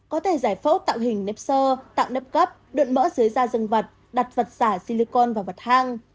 có thể giải phẫu tạo hình nếp sơ tạo nếp cấp đượn mỡ dưới da rừng vật đặt vật giả silicon vào vật hang